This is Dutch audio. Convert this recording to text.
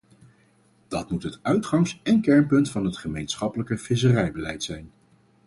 Dat moet het uitgangs- en kernpunt van het gemeenschappelijk visserijbeleid zijn.